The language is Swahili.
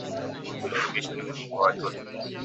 Virutubisho ni muhimu kwa Watoto